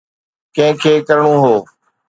ڪنهن کي ڪرڻو هو؟